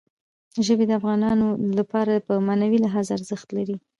ژبې د افغانانو لپاره په معنوي لحاظ ارزښت لري.